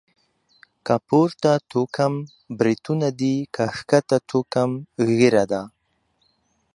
که پورته توکم بريتونه دي.، که کښته توکم ږيره ده.